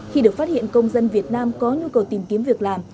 khi được phát hiện công dân việt nam có nhu cầu tìm kiếm việc làm